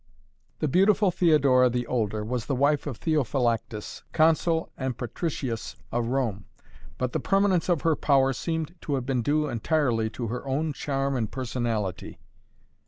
The beautiful Theodora the older was the wife of Theophylactus, Consul and Patricius of Rome, but the permanence of her power seemed to have been due entirely to her own charm and personality.